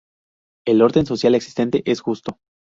El orden social existente es justo.